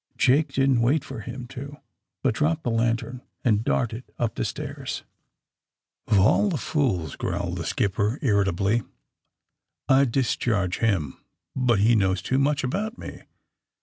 Jake didn't wait for him to, but dropped the lantern and darted up the stairs. AND THE SMUG GLEES 85 0f all the fools!" growled the skipper ir ritably. ^'I'd discharge him, but he knows too much about me!